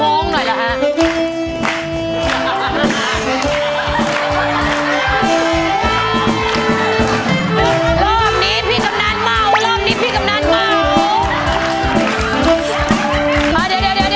รอบนี้พี่กำนันเมารอบนี้พี่กำนันเมา